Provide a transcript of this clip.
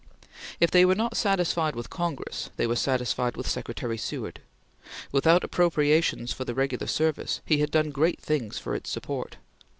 If they were not satisfied with Congress, they were satisfied with Secretary Seward. Without appropriations for the regular service, he had done great things for its support.